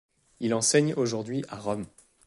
Il enseigne aujourd'hui à Rome.